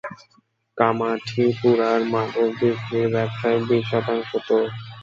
কামাঠিপুরার মদ বিক্রির ব্যবসায় বিশ শতাংশ তোর।